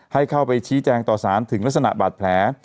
ให้เข้าไปชี้แจงต่อสารถึงลักษณะบาดแผล